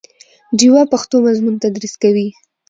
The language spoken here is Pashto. ډیوه پښتو مضمون تدریس کوي